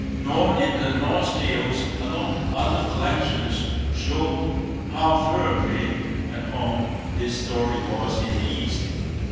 Nor in the Norse tales alone. Other collections shew how thoroughly at home this story was in the East.